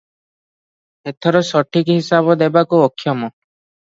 ଏଥର ସଠିକ ହିସାବ ଦେବାକୁ ଅକ୍ଷମ ।